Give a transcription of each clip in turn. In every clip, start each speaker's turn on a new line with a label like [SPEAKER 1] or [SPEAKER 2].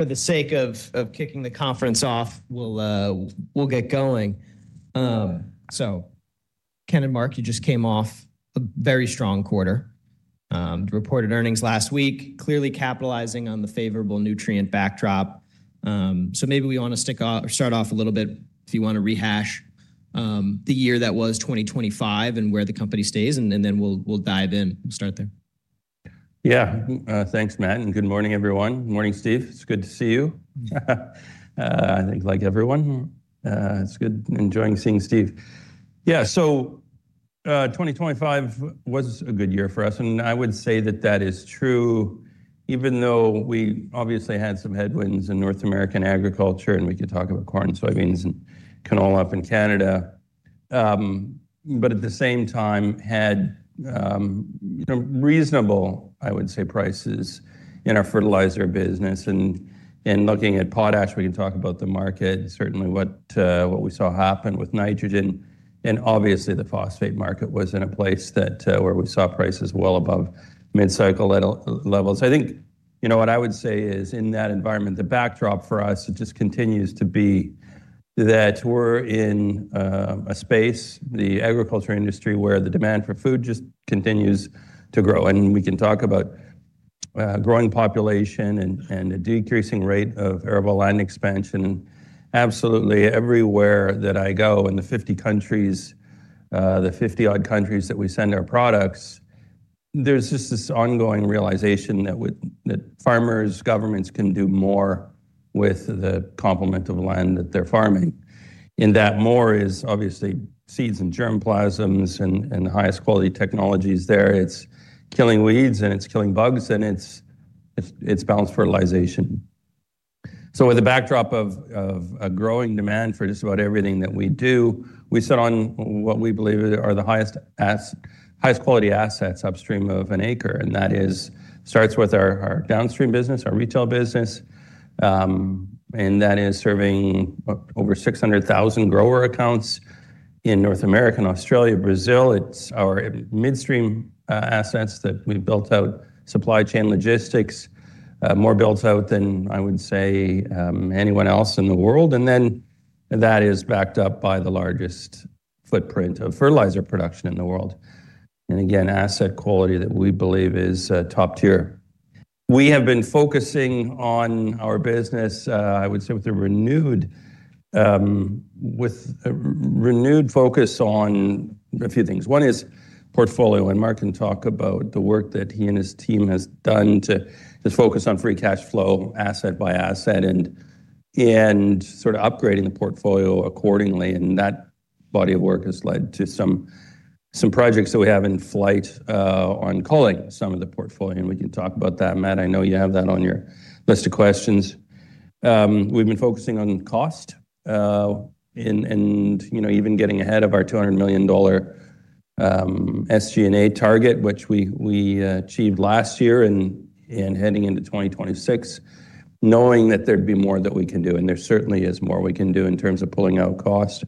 [SPEAKER 1] For the sake of kicking the conference off, we'll get going. Ken and Mark, you just came off a very strong quarter, reported earnings last week, clearly capitalizing on the favorable Nutrien backdrop. Maybe we want to start off a little bit, if you want to rehash, the year that was 2025 and where the company stays, and then we'll dive in and start there.
[SPEAKER 2] Yeah. Thanks, Matt, good morning, everyone. Morning, Steve. It's good to see you. I think like everyone, it's good enjoying seeing Steve. Yeah, 2025 was a good year for us. I would say that that is true, even though we obviously had some headwinds in North American agriculture. We could talk about corn, soybeans, and canola up in Canada. At the same time had, you know, reasonable, I would say, prices in our fertilizer business, and looking at potash, we can talk about the market, certainly what we saw happen with nitrogen. Obviously, the phosphate market was in a place that where we saw prices well above mid-cycle levels. I think, you know, what I would say is in that environment, the backdrop for us, it just continues to be that we're in a space, the agriculture industry, where the demand for food just continues to grow. We can talk about growing population and a decreasing rate of arable land expansion. Absolutely everywhere that I go in the 50 countries, the 50-odd countries that we send our products, there's just this ongoing realization that farmers, governments can do more with the complement of land that they're farming. That more is obviously seeds and germplasms and the highest quality technologies there. It's killing weeds, and it's killing bugs, and it's balanced fertilization. With a backdrop of a growing demand for just about everything that we do, we sit on what we believe are the highest quality assets upstream of an acre, and that is starts with our downstream business, our retail business, and that is serving over 600,000 grower accounts in North America and Australia, Brazil. It's our midstream assets that we've built out, supply chain logistics, more built out than, I would say, anyone else in the world. That is backed up by the largest footprint of fertilizer production in the world. Again, asset quality that we believe is top tier. We have been focusing on our business, I would say, with a renewed focus on a few things. One is portfolio. Mark can talk about the work that he and his team has done to just focus on free cash flow, asset by asset and sort of upgrading the portfolio accordingly. That body of work has led to some projects that we have in flight, on calling some of the portfolio. We can talk about that. Matt, I know you have that on your list of questions. We've been focusing on cost, and, you know, even getting ahead of our $200 million SG&A target, which we achieved last year and heading into 2026, knowing that there'd be more that we can do. There certainly is more we can do in terms of pulling out cost.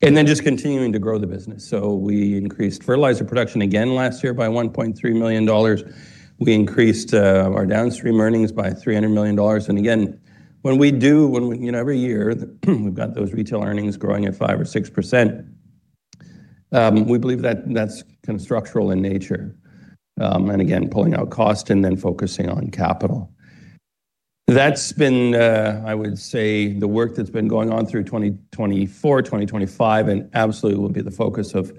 [SPEAKER 2] Then just continuing to grow the business. We increased fertilizer production again last year by $1.3 million. We increased our downstream earnings by $300 million and again, when we, you know, every year, we've got those retail earnings growing at 5% or 6%. We believe that that's kind of structural in nature, and again, pulling out cost and then focusing on capital. That's been, I would say, the work that's been going on through 2024, 2025, and absolutely will be the focus of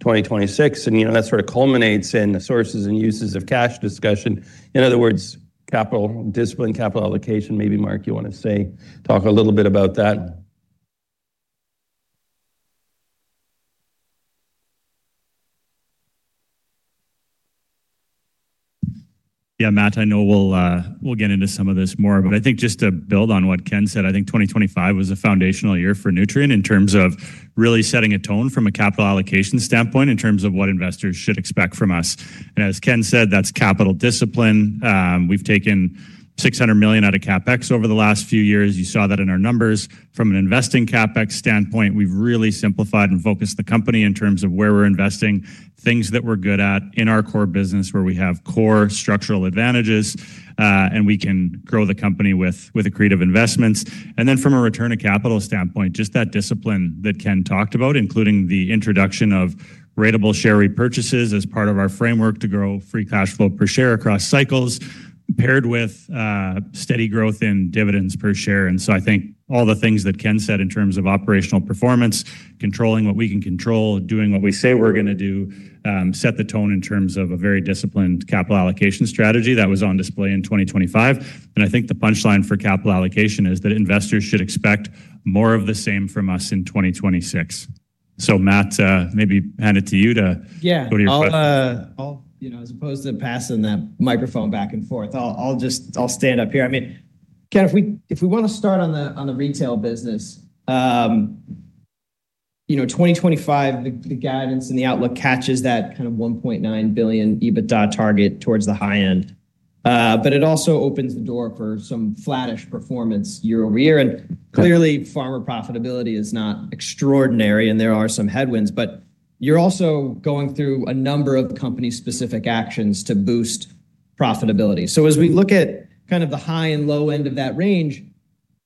[SPEAKER 2] 2026, and, you know, that sort of culminates in the sources and uses of cash discussion. In other words, capital discipline, capital allocation. Maybe, Mark, you want to say, talk a little bit about that.
[SPEAKER 3] Yeah, Matt, I know we'll get into some of this more, but I think just to build on what Ken said, I think 2025 was a foundational year for Nutrien in terms of really setting a tone from a capital allocation standpoint, in terms of what investors should expect from us. As Ken said, that's capital discipline. We've taken $600 million out of CapEx over the last few years. You saw that in our numbers. From an investing CapEx standpoint, we've really simplified and focused the company in terms of where we're investing, things that we're good at in our core business, where we have core structural advantages, and we can grow the company with accretive investments. Then from a return of capital standpoint, just that discipline that Ken talked about, including the introduction of ratable share repurchases as part of our framework to grow free cash flow per share across cycles, paired with steady growth in dividends per share. I think all the things that Ken said in terms of operational performance, controlling what we can control, doing what we say we're gonna do, set the tone in terms of a very disciplined capital allocation strategy that was on display in 2025. I think the punchline for capital allocation is that investors should expect more of the same from us in 2026. Matt, maybe hand it to you.
[SPEAKER 1] Yeah
[SPEAKER 3] ...go to your question.
[SPEAKER 1] I'll, you know, as opposed to passing that microphone back and forth, I'll just stand up here. I mean, Ken, if we want to start on the retail business, you know, 2025, the guidance and the outlook catches that kind of $1.9 billion EBITDA target towards the high end. It also opens the door for some flattish performance year-over-year. Clearly, farmer profitability is not extraordinary. There are some headwinds. You're also going through a number of company-specific actions to boost profitability. As we look at kind of the high and low end of that range,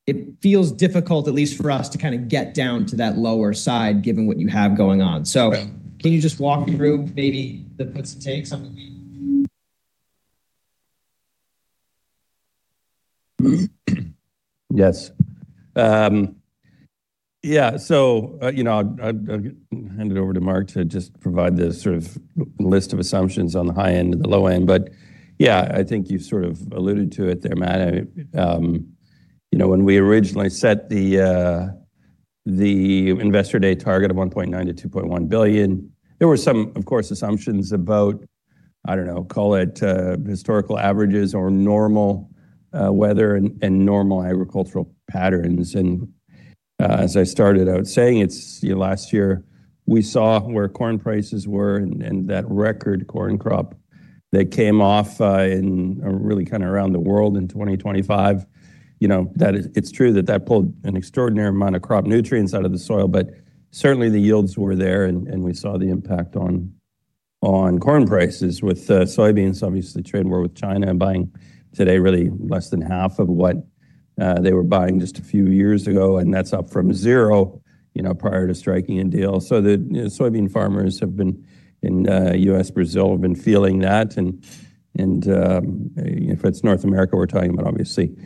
[SPEAKER 1] it feels difficult, at least for us, to kind of get down to that lower side, given what you have going on. can you just walk me through maybe the puts and takes on the?
[SPEAKER 2] Yes. You know, I'll hand it over to Mark to just provide the sort of list of assumptions on the high end and the low end. I think you've sort of alluded to it there, Matt. I, you know, when we originally set the Investor Day target of $1.9 billion-$2.1 billion, there were some, of course, assumptions about, I don't know, call it, historical averages or normal weather and normal agricultural patterns. As I started out saying, it's, you know, last year we saw where corn prices were and that record corn crop that came off in really kind of around the world in 2025. You know, that it's true that that pulled an extraordinary amount of crop nutrients out of the soil, but certainly the yields were there, and we saw the impact on corn prices. With soybeans, obviously, the trade war with China and buying today really less than half of what they were buying just a few years ago, and that's up from zero, you know, prior to striking a deal. The, you know, soybean farmers have been in U.S., Brazil have been feeling that. And if it's North America we're talking about, obviously,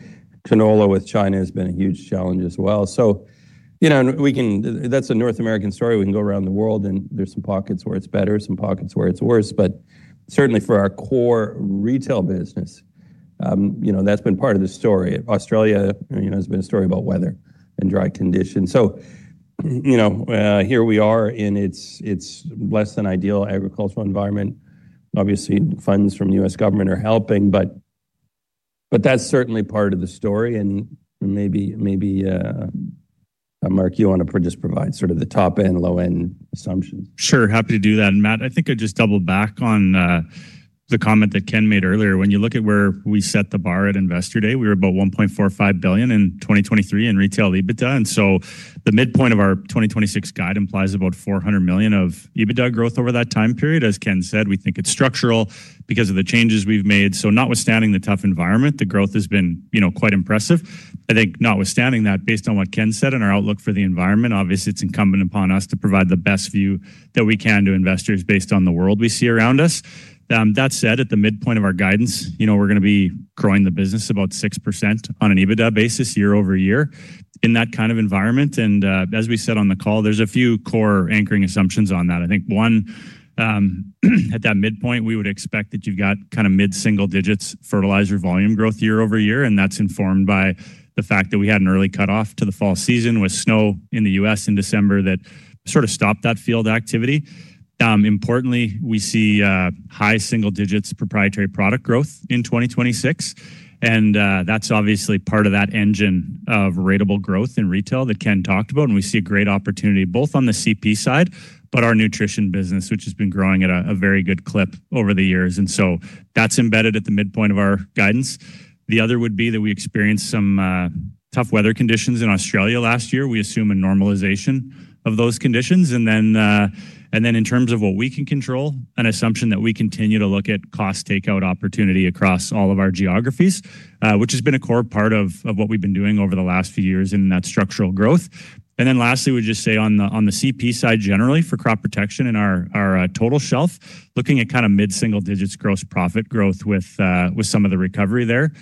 [SPEAKER 2] canola with China has been a huge challenge as well. You know, That's a North American story. We can go around the world and there's some pockets where it's better, some pockets where it's worse. Certainly for our core retail business, you know, that's been part of the story. Australia, you know, has been a story about weather and dry conditions. You know, here we are in its less than ideal agricultural environment. Obviously, funds from U.S. government are helping, but that's certainly part of the story. Maybe Mark, you want to just provide sort of the top-end, low-end assumptions.
[SPEAKER 3] Sure, happy to do that. Matt, I think I'd just double back on the comment that Ken made earlier. When you look at where we set the bar at Investor Day, we were about $1.45 billion in 2023 in retail EBITDA. The midpoint of our 2026 guide implies about $400 million of EBITDA growth over that time period. As Ken said, we think it's structural because of the changes we've made. Notwithstanding the tough environment, the growth has been, you know, quite impressive. I think notwithstanding that, based on what Ken said and our outlook for the environment, obviously, it's incumbent upon us to provide the best view that we can to investors based on the world we see around us. That said, at the midpoint of our guidance, you know, we're gonna be growing the business about 6% on an EBITDA basis year-over-year in that kind of environment. As we said on the call, there's a few core anchoring assumptions on that. At that midpoint, we would expect that you've got kind of mid-single digits fertilizer volume growth year-over-year, and that's informed by the fact that we had an early cutoff to the fall season with snow in the US in December that sort of stopped that field activity. Importantly, we see high single digits proprietary product growth in 2026, that's obviously part of that engine of ratable growth in retail that Ken talked about, we see a great opportunity both on the CP side, but our nutrition business, which has been growing at a very good clip over the years. That's embedded at the midpoint of our guidance. The other would be that we experienced some tough weather conditions in Australia last year. We assume a normalization of those conditions. Then in terms of what we can control, an assumption that we continue to look at cost takeout opportunity across all of our geographies, which has been a core part of what we've been doing over the last few years in that structural growth. Lastly, we just say on the CP side, generally, for crop protection and our total shelf, looking at kind of mid-single digits gross profit growth with some of the recovery there,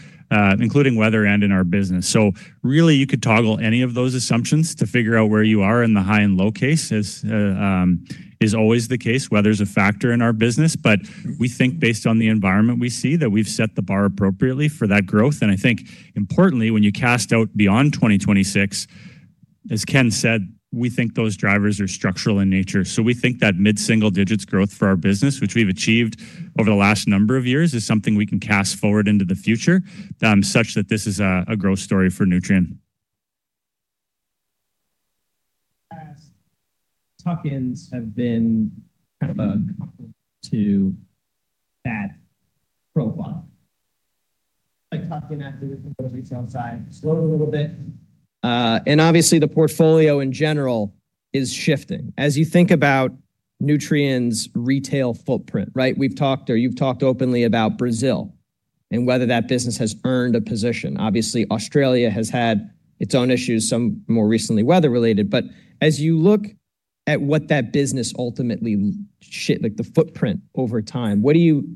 [SPEAKER 3] including weather and in our business. Really, you could toggle any of those assumptions to figure out where you are in the high and low case, as is always the case, weather's a factor in our business. We think based on the environment, we see that we've set the bar appropriately for that growth. I think importantly, when you cast out beyond 2026, as Ken said, we think those drivers are structural in nature. We think that mid-single digits growth for our business, which we've achieved over the last number of years, is something we can cast forward into the future, such that this is a growth story for Nutrien.
[SPEAKER 1] As tuck-ins have been kind of a to that profile. Like tuck-in activity from the retail side slowed a little bit. Obviously the portfolio in general is shifting. As you think about Nutrien's retail footprint, right? We've talked or you've talked openly about Brazil and whether that business has earned a position. Obviously, Australia has had its own issues, some more recently weather-related. As you look at what that business ultimately like the footprint over time, what are you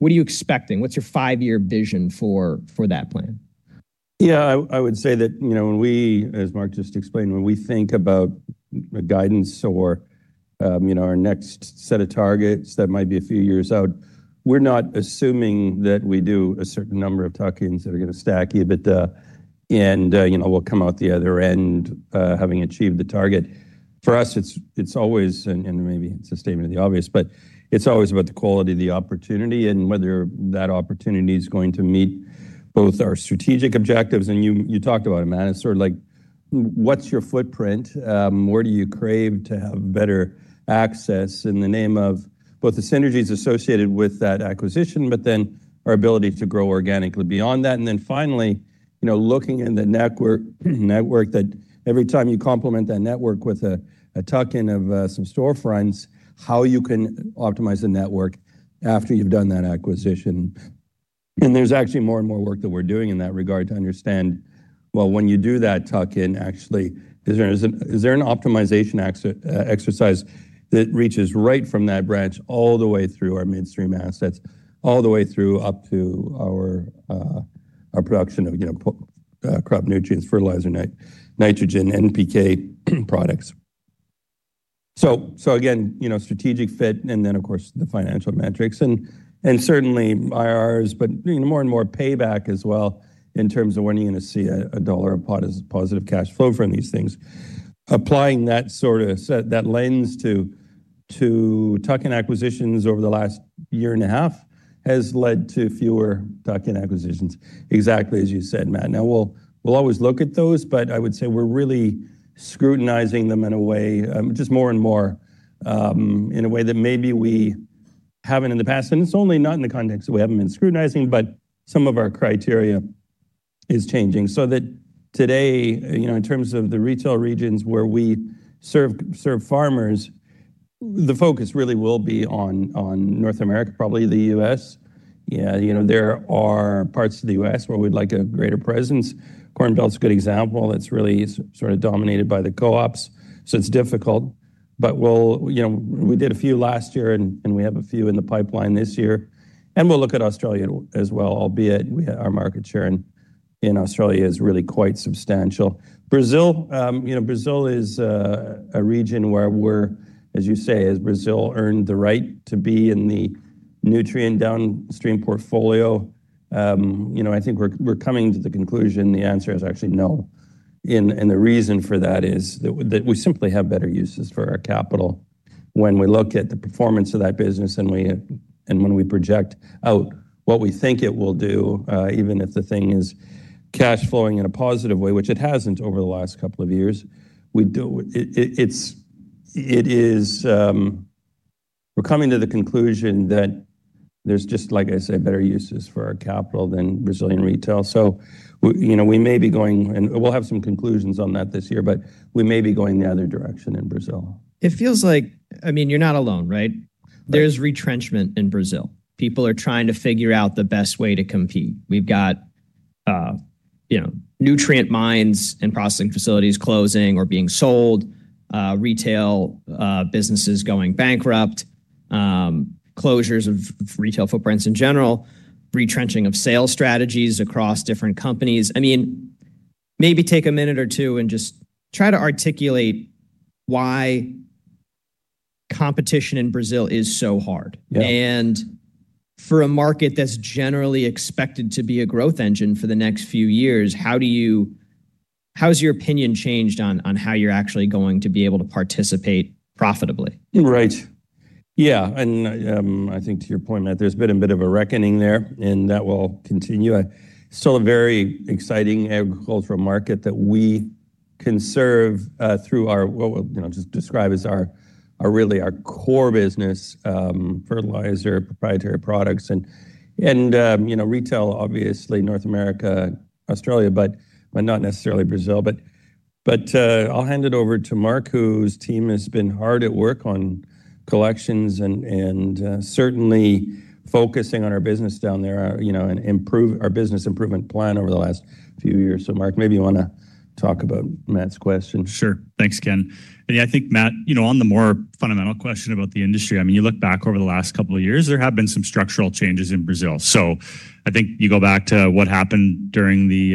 [SPEAKER 1] expecting? What's your five-year vision for that plan?
[SPEAKER 2] Yeah, I would say that, you know, when we, as Mark just explained, when we think about a guidance or, you know, our next set of targets, that might be a few years out, we're not assuming that we do a certain number of tuck-ins that are gonna stack EBITDA and, you know, we'll come out the other end, having achieved the target. For us, it's always, and maybe it's a statement of the obvious, but it's always about the quality of the opportunity and whether that opportunity is going to meet both our strategic objectives... You, you talked about it, Matt, it's sort of like: what's your footprint? Where do you crave to have better access in the name of both the synergies associated with that acquisition, but then our ability to grow organically beyond that? Finally... you know, looking in the network that every time you complement that network with a tuck-in of some storefronts, how you can optimize the network after you've done that acquisition. There's actually more and more work that we're doing in that regard to understand, well, when you do that tuck-in, actually, is there, is there an optimization exercise that reaches right from that branch all the way through our midstream assets, all the way through up to our production of, you know, crop nutrients, fertilizer, nitrogen, NPK, products. Again, you know, strategic fit, then, of course, the financial metrics and certainly IRR, but, you know, more and more payback as well, in terms of when are you gonna see a $1 of pot as a positive cash flow from these things. Applying that sort of set, that lens to tuck-in acquisitions over the last year and a half has led to fewer tuck-in acquisitions, exactly as you said, Matt. We'll always look at those, but I would say we're really scrutinizing them in a way, just more and more, in a way that maybe we haven't in the past. It's only not in the context that we haven't been scrutinizing, but some of our criteria is changing. That today, you know, in terms of the retail regions where we serve farmers, the focus really will be on North America, probably the U.S. You know, there are parts of the U.S. where we'd like a greater presence. Corn Belt's a good example. It's really sort of dominated by the co-ops, so it's difficult. We'll... You know, we did a few last year, and we have a few in the pipeline this year, and we'll look at Australia as well, albeit our market share in Australia is really quite substantial. Brazil, you know, Brazil is a region where we're, as you say, has Brazil earned the right to be in the Nutrien downstream portfolio? You know, I think we're coming to the conclusion, the answer is actually no. The reason for that is that we simply have better uses for our capital. When we look at the performance of that business and when we project out what we think it will do, even if the thing is cash flowing in a positive way, which it hasn't over the last couple of years, it is... We're coming to the conclusion that there's just, like I said, better uses for our capital than Brazilian retail. you know, we may be going, and we'll have some conclusions on that this year, but we may be going the other direction in Brazil.
[SPEAKER 1] It feels like, I mean, you're not alone, right?
[SPEAKER 2] Right.
[SPEAKER 1] There's retrenchment in Brazil. People are trying to figure out the best way to compete. We've got, you know, Nutrien mines and processing facilities closing or being sold, retail, businesses going bankrupt, closures of retail footprints in general, retrenching of sales strategies across different companies. I mean, maybe take a minute or two and just try to articulate why competition in Brazil is so hard.
[SPEAKER 2] Yeah.
[SPEAKER 1] For a market that's generally expected to be a growth engine for the next few years, how has your opinion changed on how you're actually going to be able to participate profitably?
[SPEAKER 2] Right. Yeah, and I think to your point, Matt, there's been a bit of a reckoning there, and that will continue. Still a very exciting agricultural market that we can serve through our, what we'll, you know, just describe as our really our core business, fertilizer, proprietary products and, you know, retail, obviously, North America, Australia, but not necessarily Brazil. I'll hand it over to Mark, whose team has been hard at work on collections and, certainly focusing on our business down there, you know, and improve our business improvement plan over the last few years. Mark, maybe you wanna talk about Matt's question?
[SPEAKER 3] Sure. Thanks, Ken. I think, Matt, you know, on the more fundamental question about the industry, I mean, you look back over the last couple of years, there have been some structural changes in Brazil. I think you go back to what happened during the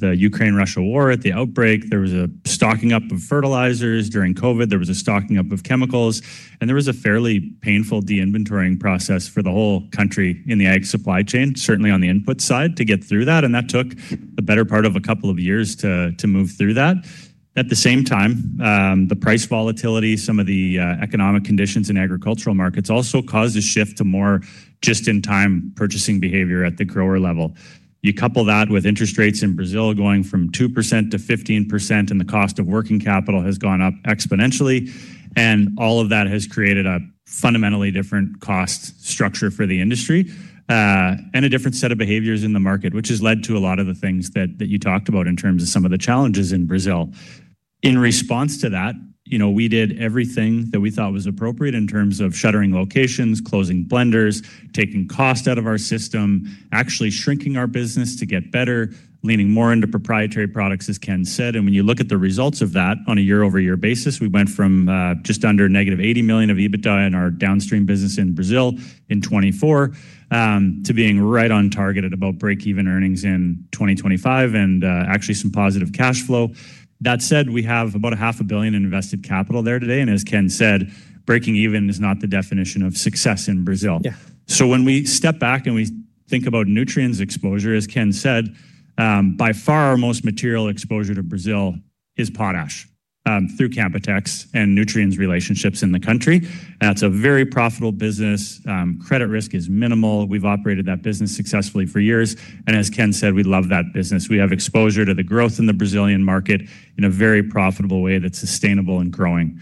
[SPEAKER 3] Russo-Ukrainian War. At the outbreak, there was a stocking up of fertilizers. During COVID, there was a stocking up of chemicals, and there was a fairly painful de-inventoring process for the whole country in the ag supply chain, certainly on the input side, to get through that, and that took the better part of a couple of years to move through that. At the same time, the price volatility, some of the economic conditions in agricultural markets also caused a shift to more just-in-time purchasing behavior at the grower level. You couple that with interest rates in Brazil going from 2% to 15%, the cost of working capital has gone up exponentially, all of that has created a fundamentally different cost structure for the industry, and a different set of behaviors in the market, which has led to a lot of the things that you talked about in terms of some of the challenges in Brazil. In response to that, you know, we did everything that we thought was appropriate in terms of shuttering locations, closing blenders, taking cost out of our system, actually shrinking our business to get better, leaning more into proprietary products, as Ken said. When you look at the results of that on a year-over-year basis, we went from just under negative $80 million of EBITDA in our downstream business in Brazil in 2024, to being right on target at about break-even earnings in 2025, and actually some positive cash flow. That said, we have about a half a billion in invested capital there today, and as Ken said, breaking even is not the definition of success in Brazil.
[SPEAKER 1] Yeah.
[SPEAKER 3] When we step back and we think about Nutrien's exposure, as Ken said, by far our most material exposure to Brazil is potash, through Canpotex and Nutrien's relationships in the country. That's a very profitable business. Credit risk is minimal. We've operated that business successfully for years, and as Ken said, we love that business. We have exposure to the growth in the Brazilian market in a very profitable way that's sustainable and growing.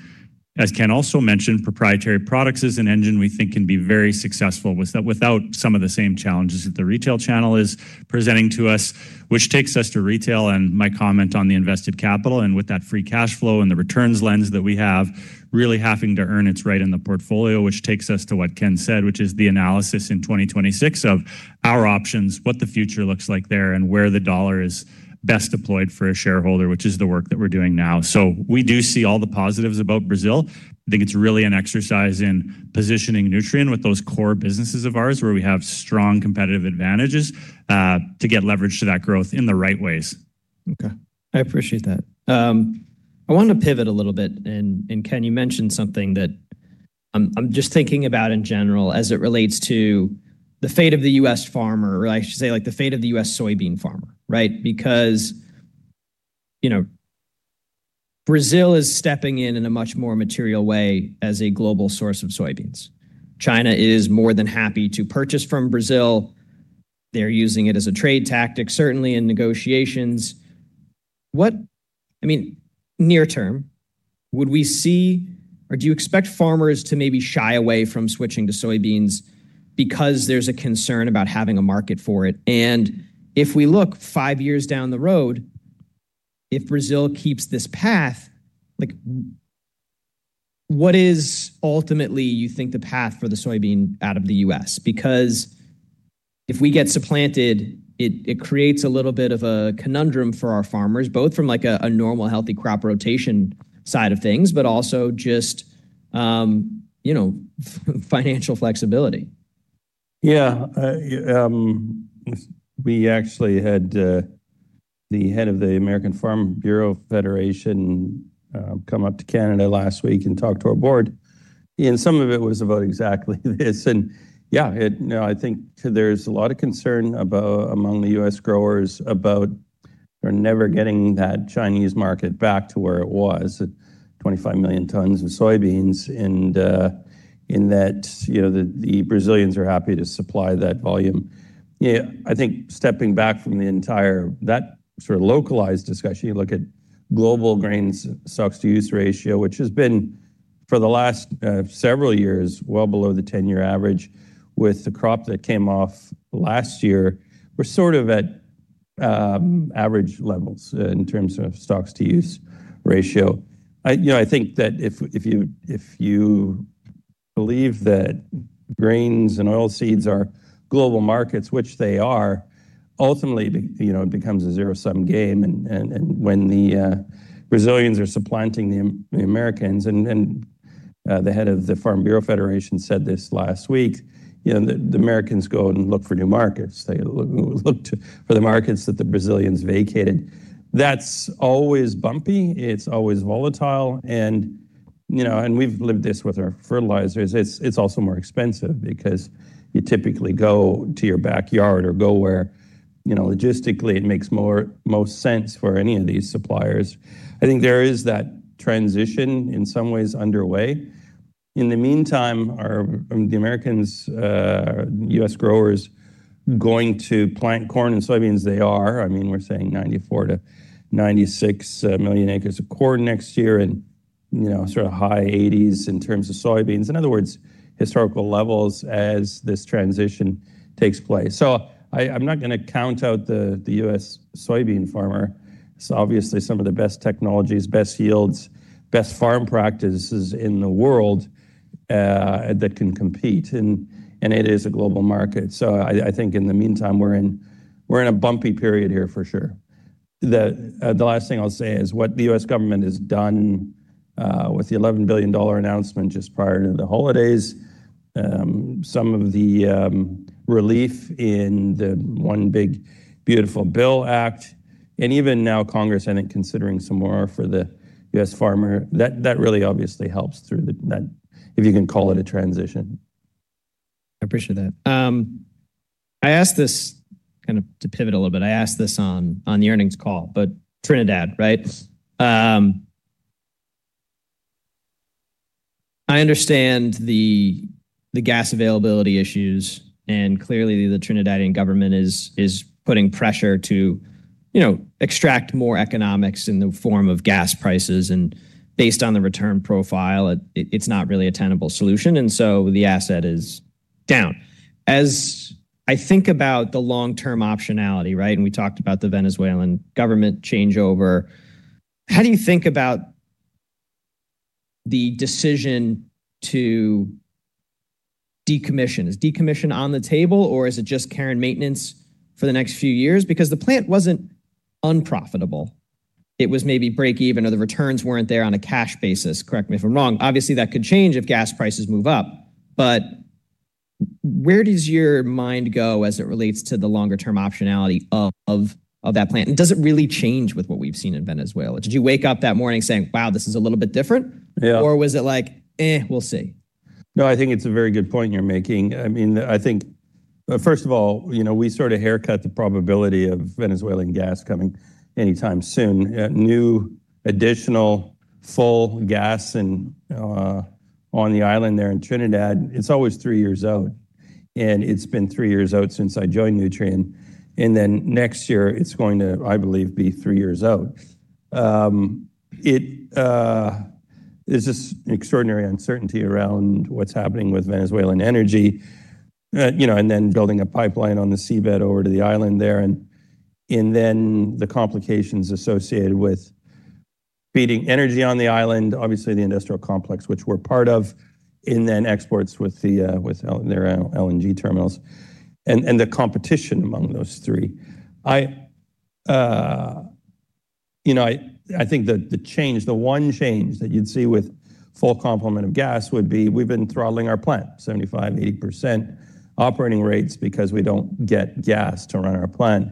[SPEAKER 3] As Ken also mentioned, proprietary products is an engine we think can be very successful without some of the same challenges that the retail channel is presenting to us, which takes us to retail and my comment on the invested capital, and with that free cash flow and the returns lens that we have, really having to earn its right in the portfolio, which takes us to what Ken said, which is the analysis in 2026 of our options, what the future looks like there, and where the dollar is best deployed for a shareholder, which is the work that we're doing now. We do see all the positives about Brazil. I think it's really an exercise in positioning Nutrien with those core businesses of ours, where we have strong competitive advantages, to get leverage to that growth in the right ways.
[SPEAKER 1] Okay, I appreciate that. I want to pivot a little bit, and Ken, you mentioned something that I'm just thinking about in general as it relates to the fate of the U.S. farmer, or I should say, like, the fate of the U.S. soybean farmer, right? You know, Brazil is stepping in in a much more material way as a global source of soybeans. China is more than happy to purchase from Brazil. They're using it as a trade tactic, certainly in negotiations. I mean, near term, would we see or do you expect farmers to maybe shy away from switching to soybeans because there's a concern about having a market for it? If we look five years down the road, if Brazil keeps this path, like, what is ultimately, you think, the path for the soybean out of the U.S.? If we get supplanted, it creates a little bit of a conundrum for our farmers, both from, like, a normal, healthy crop rotation side of things, but also just, you know, financial flexibility.
[SPEAKER 2] Yeah, we actually had the head of the American Farm Bureau Federation come up to Canada last week and talk to our board, and some of it was about exactly this. Yeah, you know, I think there's a lot of concern among the U.S. growers about they're never getting that Chinese market back to where it was, at 25 million tons of soybeans, and in that, you know, the Brazilians are happy to supply that volume. Yeah, I think stepping back from the entire, that sort of localized discussion, you look at global grains Stocks-to-Use Ratio, which has been for the last several years, well below the 10-year average. With the crop that came off last year, we're sort of at average levels in terms of Stocks-to-Use Ratio. I, you know, I think that if you, if you believe that grains and oilseeds are global markets, which they are, ultimately, you know, it becomes a zero-sum game and, when the Brazilians are supplanting the Americans, and, the head of the American Farm Bureau Federation said this last week, you know, the Americans go and look for new markets. They look to for the markets that the Brazilians vacated. That's always bumpy, it's always volatile, and, you know, and we've lived this with our fertilizers. It's also more expensive because you typically go to your backyard or go where, you know, logistically, it makes more, most sense for any of these suppliers. I think there is that transition in some ways underway. In the meantime, are the Americans, U.S. growers, going to plant corn and soybeans? They are. I mean, we're saying 94 million-96 million acres of corn next year and, you know, sort of high 80s in terms of soybeans. In other words, historical levels as this transition takes place. I'm not gonna count out the U.S. soybean farmer. It's obviously some of the best technologies, best yields, best farm practices in the world that can compete, and it is a global market. I think in the meantime, we're in a bumpy period here for sure. The last thing I'll say is what the U.S. government has done with the $11 billion announcement just prior to the holidays, some of the relief in the Build Back Better Act, even now, Congress, I think, considering some more for the U.S. farmer, that really obviously helps through the... that, if you can call it a transition.
[SPEAKER 1] I appreciate that. I asked this kind of to pivot a little bit. I asked this on the earnings call, Trinidad, right? I understand the gas availability issues, and clearly, the Trinidadian government is putting pressure to, you know, extract more economics in the form of gas prices, and based on the return profile, it's not really a tenable solution, and so the asset is down. As I think about the long-term optionality, right? We talked about the Venezuelan government changeover. How do you think about the decision to decommission? Is decommission on the table, or is it just care and maintenance for the next few years? Because the plant wasn't unprofitable, it was maybe break even, or the returns weren't there on a cash basis, correct me if I'm wrong? Obviously, that could change if gas prices move up. Where does your mind go as it relates to the longer-term optionality of that plan? Does it really change with what we've seen in Venezuela? Did you wake up that morning saying, "Wow, this is a little bit different?
[SPEAKER 2] Yeah.
[SPEAKER 1] was it like, "Eh, we'll see"?
[SPEAKER 2] No, I think it's a very good point you're making. I mean, I think, first of all, you know, we sort of haircut the probability of Venezuelan gas coming anytime soon. New additional full gas and on the island there in Trinidad, it's always three years out, and it's been three years out since I joined Nutrien, and then next year it's going to, I believe, be three years out. It, there's just extraordinary uncertainty around what's happening with Venezuelan energy, you know, and then building a pipeline on the seabed over to the island there, and then the complications associated with feeding energy on the island, obviously the industrial complex, which we're part of, and then exports with their LNG terminals and the competition among those three. I, you know, I think the change, the one change that you'd see with full complement of gas would be we've been throttling our plant 75%, 80% operating rates because we don't get gas to run our plant.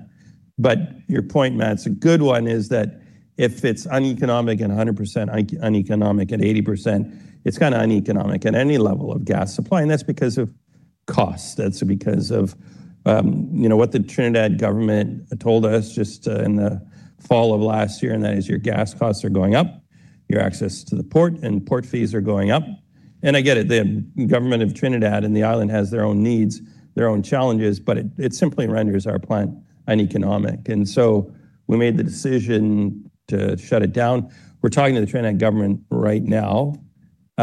[SPEAKER 2] Your point, Matt, it's a good one, is that if it's uneconomic and 100% uneconomic at 80%, it's kinda uneconomic at any level of gas supply, and that's because of cost. That's because of, you know, what the Trinidad government told us just in the fall of last year, and that is your gas costs are going up, your access to the port and port fees are going up. I get it, the government of Trinidad and the island has their own needs, their own challenges, but it simply renders our plant uneconomic. We made the decision to shut it down. We're talking to the Trinidad government right now.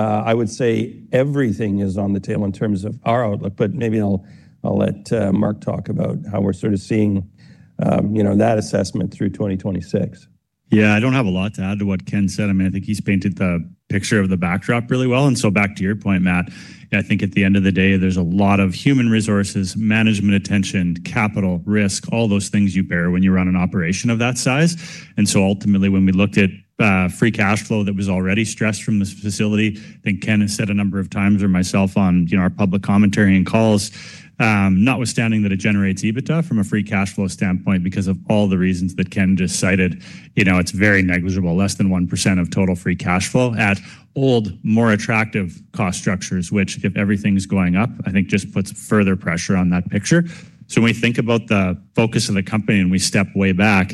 [SPEAKER 2] I would say everything is on the table in terms of our outlook, but maybe I'll let Mark talk about how we're sort of seeing, you know, that assessment through 2026.
[SPEAKER 3] Yeah, I don't have a lot to add to what Ken said. I mean, I think he's painted the picture of the backdrop really well. Back to your point, Matt, I think at the end of the day, there's a lot of human resources, management attention, capital, risk, all those things you bear when you run an operation of that size. Ultimately, when we looked at free cash flow that was already stressed from this facility, I think Ken has said a number of times, or myself on, you know, our public commentary and calls, notwithstanding that it generates EBITDA from a free cash flow standpoint, because of all the reasons that Ken just cited, you know, it's very negligible, less than 1% of total free cash flow at old, more attractive cost structures, which, if everything's going up, I think just puts further pressure on that picture. When we think about the focus of the company and we step way back,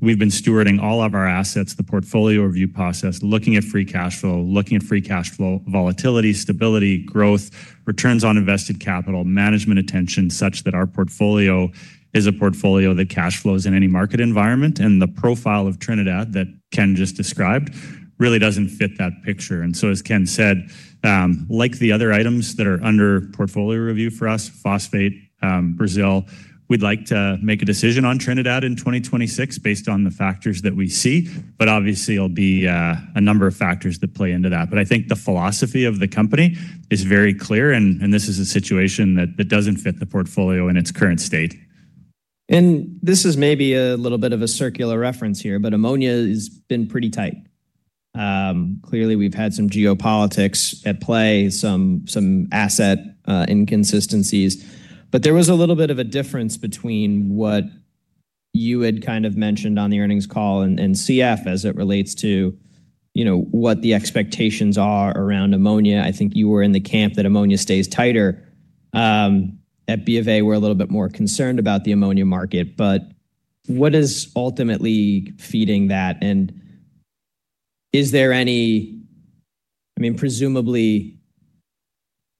[SPEAKER 3] we've been stewarding all of our assets, the portfolio review process, looking at free cash flow, looking at free cash flow volatility, stability, growth, returns on invested capital, management attention, such that our portfolio is a portfolio that cash flows in any market environment. The profile of Trinidad that Ken just described really doesn't fit that picture. As Ken said, like the other items that are under portfolio review for us, phosphate, Brazil, we'd like to make a decision on Trinidad in 2026 based on the factors that we see, but obviously, there'll be a number of factors that play into that. I think the philosophy of the company is very clear, and this is a situation that doesn't fit the portfolio in its current state.
[SPEAKER 1] This is maybe a little bit of a circular reference here, but ammonia has been pretty tight. Clearly, we've had some geopolitics at play, some asset inconsistencies, but there was a little bit of a difference between what you had kind of mentioned on the earnings call and CF, as it relates to, you know, what the expectations are around ammonia. I think you were in the camp that ammonia stays tighter. At BofA, we're a little bit more concerned about the ammonia market, but what is ultimately feeding that? I mean, presumably,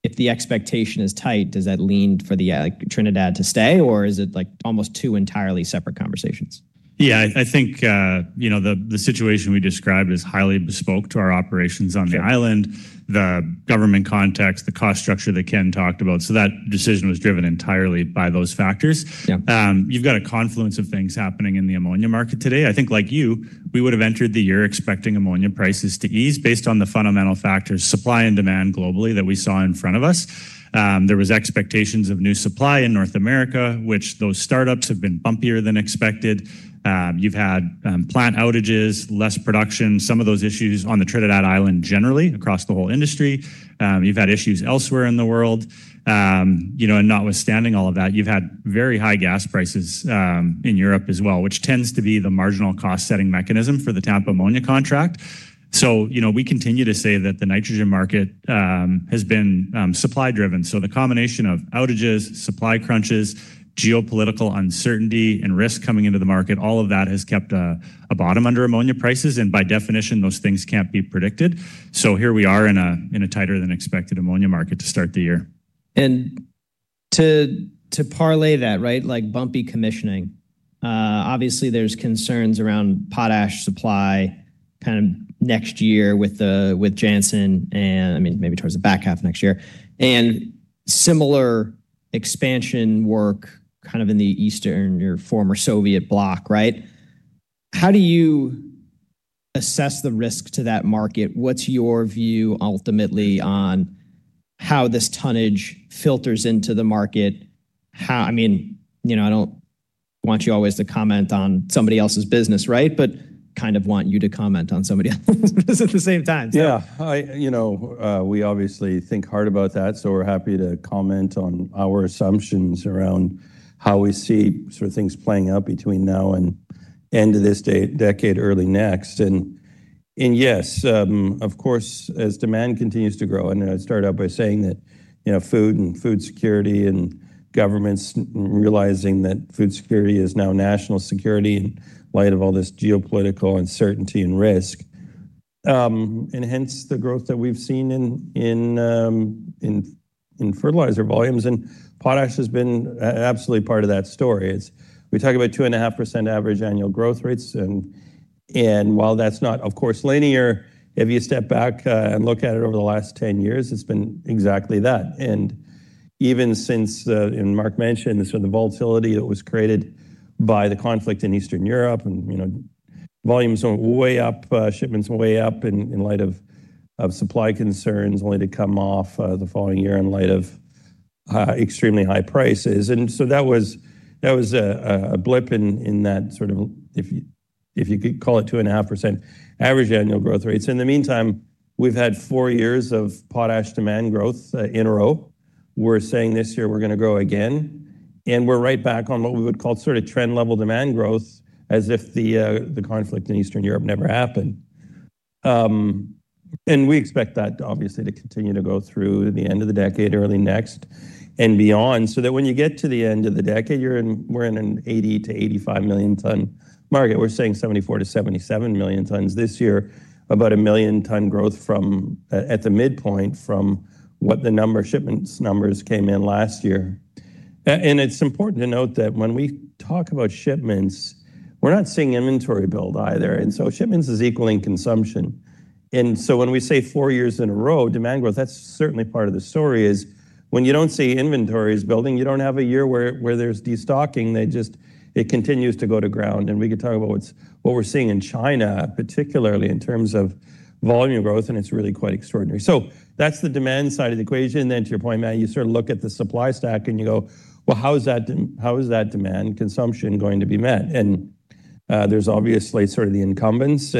[SPEAKER 1] if the expectation is tight, does that lean for the Trinidad to stay, or is it, like, almost two entirely separate conversations?
[SPEAKER 3] Yeah. I think, you know, the situation we described is highly bespoke to our operations on the island.
[SPEAKER 1] Sure.
[SPEAKER 3] the government context, the cost structure that Ken talked about. That decision was driven entirely by those factors.
[SPEAKER 1] Yeah.
[SPEAKER 3] You've got a confluence of things happening in the ammonia market today. I think like you, we would have entered the year expecting ammonia prices to ease based on the fundamental factors, supply and demand globally, that we saw in front of us. There was expectations of new supply in North America, which those startups have been bumpier than expected. You've had plant outages, less production, some of those issues on the Trinidad island, generally across the whole industry. You've had issues elsewhere in the world. You know, notwithstanding all of that, you've had very high gas prices in Europe as well, which tends to be the marginal cost-setting mechanism for the Tampa ammonia contract. You know, we continue to say that the nitrogen market has been supply-driven. The combination of outages, supply crunches, geopolitical uncertainty, and risk coming into the market, all of that has kept a bottom under ammonia prices, and by definition, those things can't be predicted. Here we are in a tighter than expected ammonia market to start the year.
[SPEAKER 1] To, to parlay that, right, like bumpy commissioning, obviously, there's concerns around potash supply kind of next year with Jansen, and I mean, maybe towards the back half of next year, and similar expansion work kind of in the Eastern or former Soviet bloc, right? How do you assess the risk to that market? What's your view ultimately on how this tonnage filters into the market? I mean, you know, I don't want you always to comment on somebody else's business, right? Kind of want you to comment on somebody else's business at the same time.
[SPEAKER 2] Yeah. I, you know, we obviously think hard about that, so we're happy to comment on our assumptions around how we see sort of things playing out between now and end of this decade, early next. Yes, of course, as demand continues to grow, and I started out by saying that, you know, food and food security and governments realizing that food security is now national security in light of all this geopolitical uncertainty and risk. Hence the growth that we've seen in fertilizer volumes, and potash has been absolutely part of that story. We talk about 2.5% average annual growth rates, and while that's not, of course, linear, if you step back, and look at it over the last 10 years, it's been exactly that. Even since, and Mark mentioned this, with the volatility that was created by the conflict in Eastern Europe, and, you know, volumes are way up, shipments are way up in light of supply concerns, only to come off, the following year in light of extremely high prices. So that was a blip in that sort of, if you could call it 2.5% average annual growth rates. In the meantime, we've had four years of potash demand growth in a row. We're saying this year we're gonna grow again, and we're right back on what we would call sort of trend level demand growth, as if the conflict in Eastern Europe never happened. We expect that obviously to continue to go through the end of the decade, early next and beyond, so that when you get to the end of the decade, we're in an 80-85 million ton market. We're saying 74-77 million tons this year, about a 1 million ton growth from at the midpoint, from what the number of shipments numbers came in last year. It's important to note that when we talk about shipments, we're not seeing inventory build either, and so shipments is equaling consumption. When we say four years in a row, demand growth, that's certainly part of the story, is when you don't see inventories building, you don't have a year where there's destocking. It continues to go to ground. We could talk about what we're seeing in China, particularly in terms of volume growth, and it's really quite extraordinary. That's the demand side of the equation. To your point, Matt, you sort of look at the supply stack and you go, "Well, how is that demand consumption going to be met?" There's obviously sort of the incumbents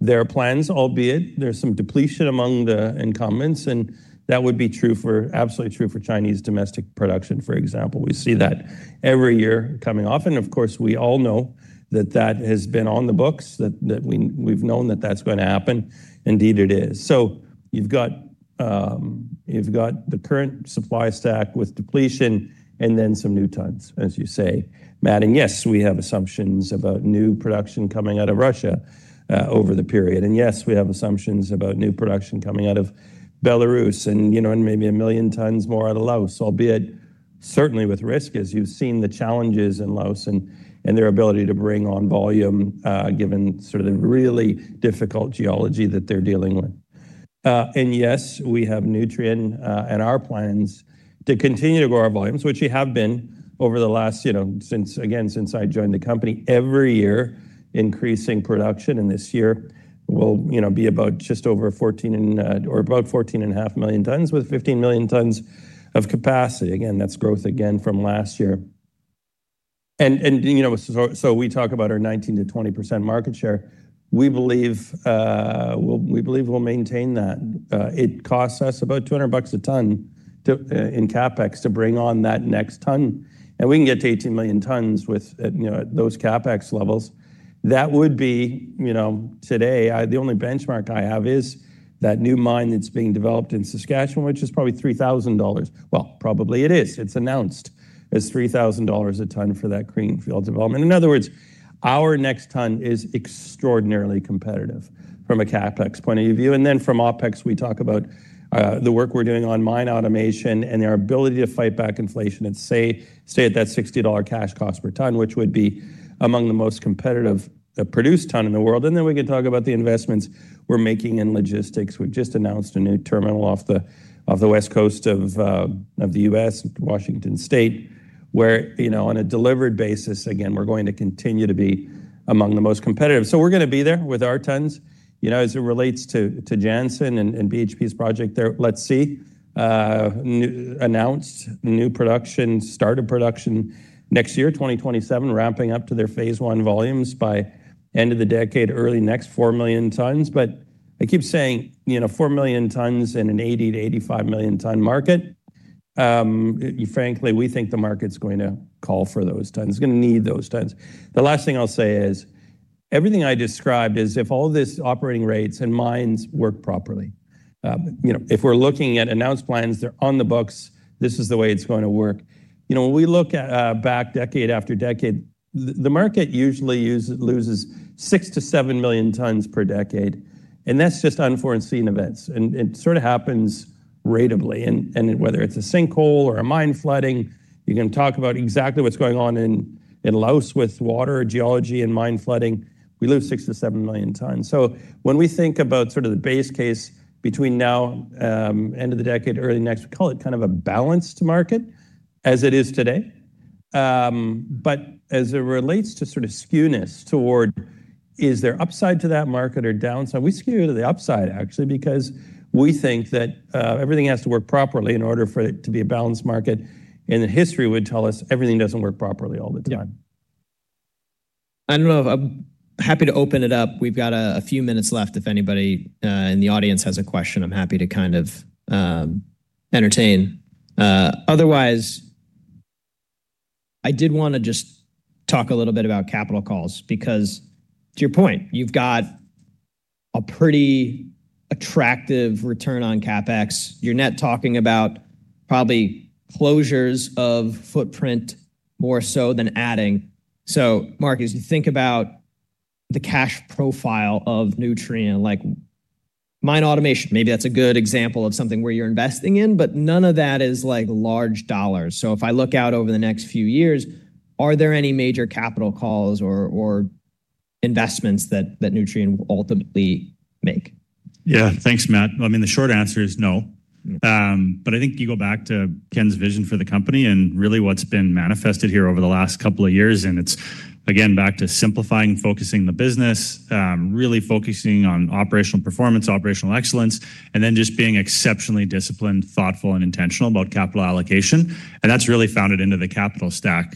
[SPEAKER 2] and their plans, albeit there's some depletion among the incumbents, and that would be absolutely true for Chinese domestic production, for example. We see that every year coming off, and of course, we all know that that has been on the books, that we've known that that's going to happen. Indeed, it is. You've got the current supply stack with depletion and then some new tons, as you say, Matt. Yes, we have assumptions about new production coming out of Russia over the period. Yes, we have assumptions about new production coming out of Belarus and, you know, and maybe 1 million tons more out of Laos, albeit certainly with risk, as you've seen the challenges in Laos and their ability to bring on volume given sort of the really difficult geology that they're dealing with. Yes, we have Nutrien and our plans to continue to grow our volumes, which we have been over the last, you know, since, again, since I joined the company, every year, increasing production, and this year will, you know, be about just over 14 and, or about 14.5 million tons, with 15 million tons of capacity. Again, that's growth again from last year. You know, we talk about our 19%-20% market share. We believe we'll maintain that. It costs us about $200 a ton to in CapEx to bring on that next ton, and we can get to 18 million tons with, at, you know, those CapEx levels. That would be, you know, today, the only benchmark I have is that new mine that's being developed in Saskatchewan, which is probably $3,000. Probably it is. It's announced as $3,000 a ton for that greenfield development. In other words, our next ton is extraordinarily competitive from a CapEx point of view. From OpEx, we talk about the work we're doing on mine automation and our ability to fight back inflation and say, stay at that $60 cash cost per ton, which would be among the most competitive produced ton in the world. We can talk about the investments we're making in logistics. We've just announced a new terminal off the West Coast of the U.S., Washington State, where, you know, on a delivered basis, again, we're going to continue to be among the most competitive. We're going to be there with our tons. You know, as it relates to Jansen and BHP's project there, let's see. announced new production, start of production next year, 2027, ramping up to their phase one volumes by end of the decade, early next, 4 million tons. I keep saying, you know, 4 million tons in an 80-85 million ton market, frankly, we think the market's going to call for those tons, gonna need those tons. The last thing I'll say is, everything I described is if all these operating rates and mines work properly. You know, if we're looking at announced plans, they're on the books, this is the way it's going to work. You know, when we look at, back decade after decade, the market usually loses 6-7 million tons per decade, and that's just unforeseen events, and it sort of happens ratably. Whether it's a sinkhole or a mine flooding, you can talk about exactly what's going on in Laos with water, geology, and mine flooding, we lose 6-7 million tons. When we think about sort of the base case between now, end of the decade, early next, we call it kind of a balanced market as it is today. As it relates to sort of skewness toward, is there upside to that market or downside? We skew to the upside, actually, because we think that everything has to work properly in order for it to be a balanced market. The history would tell us everything doesn't work properly all the time.
[SPEAKER 1] Yeah. I don't know, I'm happy to open it up. We've got a few minutes left. If anybody, in the audience has a question, I'm happy to kind of, entertain. Otherwise. I did wanna just talk a little bit about capital calls, because to your point, you've got a pretty attractive return on CapEx. You're not talking about probably closures of footprint more so than adding. Mark, as you think about the cash profile of Nutrien, like mine automation, maybe that's a good example of something where you're investing in, but none of that is like large dollars. If I look out over the next few years, are there any major capital calls or investments that Nutrien will ultimately make?
[SPEAKER 3] Yeah. Thanks, Matt. I mean, the short answer is no. I think you go back to Ken's vision for the company and really what's been manifested here over the last couple of years, and it's again, back to simplifying, focusing the business, really focusing on operational performance, operational excellence, and then just being exceptionally disciplined, thoughtful, and intentional about capital allocation. That's really founded into the capital stack.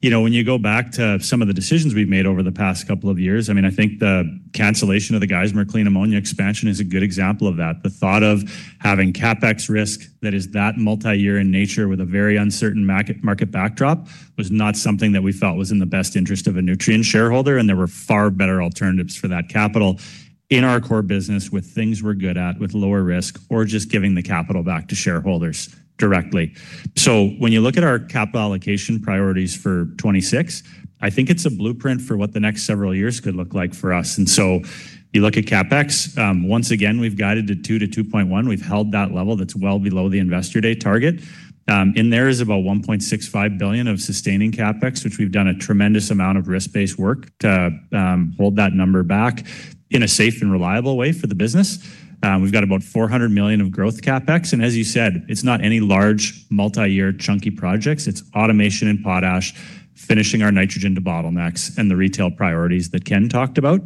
[SPEAKER 3] You know, when you go back to some of the decisions we've made over the past couple of years, I mean, I think the cancellation of the Geismar clean ammonia expansion is a good example of that. The thought of having CapEx risk that is that multi-year in nature with a very uncertain market backdrop, was not something that we felt was in the best interest of a Nutrien shareholder. There were far better alternatives for that capital in our core business with things we're good at, with lower risk, or just giving the capital back to shareholders directly. When you look at our capital allocation priorities for 2026, I think it's a blueprint for what the next several years could look like for us. You look at CapEx, once again, we've guided to $2 billion-$2.1 billion. We've held that level that's well below the Investor Day target. There is about $1.65 billion of sustaining CapEx, which we've done a tremendous amount of risk-based work to hold that number back in a safe and reliable way for the business. We've got about $400 million of growth CapEx, and as you said, it's not any large, multi-year, chunky projects, it's automation and potash, finishing our nitrogen to bottlenecks and the retail priorities that Ken talked about.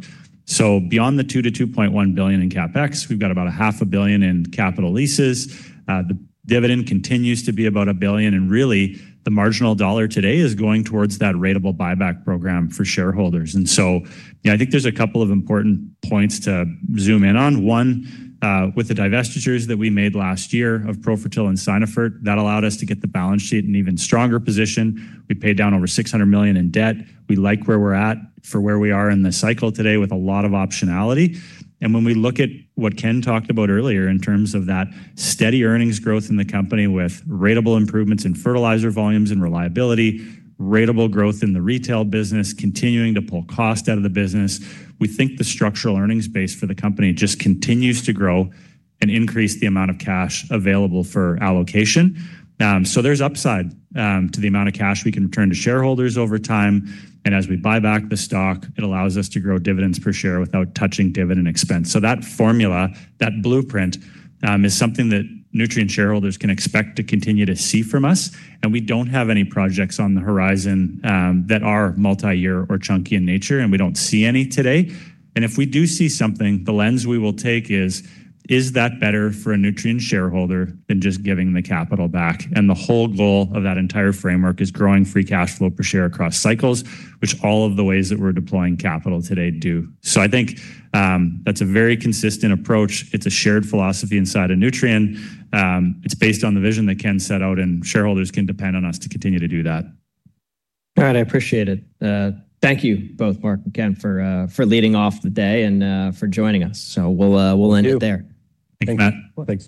[SPEAKER 3] Beyond the $2 billion-$2.1 billion in CapEx, we've got about a half a billion in capital leases. The dividend continues to be about $1 billion, and really, the marginal dollar today is going towards that ratable buyback program for shareholders. Yeah, I think there's a couple of important points to zoom in on. One, with the divestitures that we made last year of Profertil and Synefert, that allowed us to get the balance sheet an even stronger position. We paid down over $600 million in debt. We like where we're at for where we are in the cycle today with a lot of optionality. When we look at what Ken talked about earlier in terms of that steady earnings growth in the company with ratable improvements in fertilizer volumes and reliability, ratable growth in the retail business, continuing to pull cost out of the business, we think the structural earnings base for the company just continues to grow and increase the amount of cash available for allocation. There's upside to the amount of cash we can return to shareholders over time, and as we buy back the stock, it allows us to grow dividends per share without touching dividend expense. That formula, that blueprint is something that Nutrien shareholders can expect to continue to see from us, and we don't have any projects on the horizon that are multi-year or chunky in nature, and we don't see any today. If we do see something, the lens we will take is: Is that better for a Nutrien shareholder than just giving the capital back? The whole goal of that entire framework is growing free cash flow per share across cycles, which all of the ways that we're deploying capital today do. I think that's a very consistent approach. It's a shared philosophy inside of Nutrien. It's based on the vision that Ken set out, and shareholders can depend on us to continue to do that.
[SPEAKER 1] All right. I appreciate it. Thank you both, Mark and Ken, for leading off the day and for joining us. We'll end it there.
[SPEAKER 3] Thank you, Matt. Thanks.